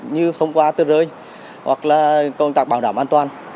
như thông qua tư rơi hoặc là công tác bảo đảm an toàn